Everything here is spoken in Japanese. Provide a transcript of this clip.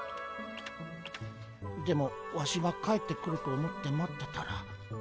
でもワシが帰ってくると思って待ってたら。